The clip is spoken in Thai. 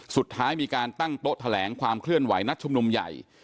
สุดท้ายมีการตั้งโต๊ะแถลงความเคลื่อนไหวนัดชุมนุมใหญ่